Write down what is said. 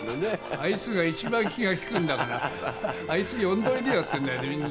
あいつが一番気が利くんだから、あいつ、呼んでおいでよって言うんだよね、みんな。